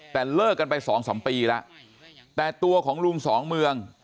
แต่เลิกกันไปสองสามปีแล้วแต่ตัวของลุงสองเมือง